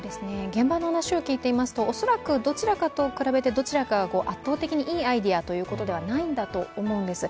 現場の話を聞いていますと、恐らくどちらかを比べてどちらかが圧倒的にいいアイデアということではないんだと思うんです。